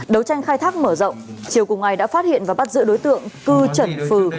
đấu tranh khai thác mở rộng chiều cùng ngày đã phát hiện và bắt giữ đối tượng cư trần phừ